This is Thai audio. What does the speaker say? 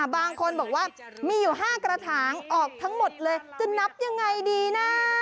บางคนบอกว่ามีอยู่๕กระถางออกทั้งหมดเลยจะนับยังไงดีนะ